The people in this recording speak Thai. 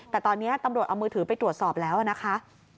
แต่ตอนนี้ตำรวจเอามือถือไปตรวจสอบแล้วนะคะ